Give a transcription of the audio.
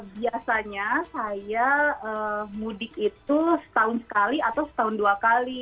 biasanya saya mudik itu setahun sekali atau setahun dua kali